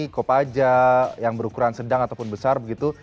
kopaja yang berukuran sedang ataupun besar begitu